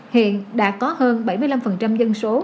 hiện đã có hơn bảy mươi năm dân số